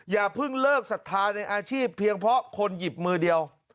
อย่าเพิ่งเลิกศรัทธาในอาชีพเพียงเพราะคนหยิบมือเดียว